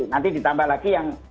nanti ditambah lagi yang